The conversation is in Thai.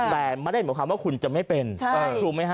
แต่ไม่ได้หมายความว่าคุณจะไม่เป็นถูกไหมฮะ